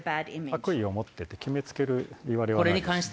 悪意を持ってって決めつけるいわれはない。